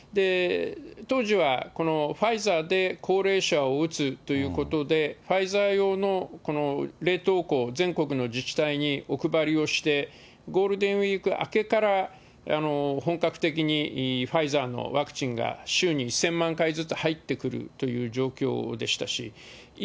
当時はこのファイザーで高齢者を打つということで、ファイザー用の冷凍庫を全国の自治体にお配りをして、ゴールデンウィーク明けから本格的にファイザーのワクチンが週に１０００万回ずつ入ってくるという状況でしたし。